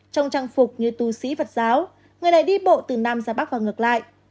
trong trang phục như tu sĩ phật giáo người này đi bộ từ nam ra bắc và ngược lại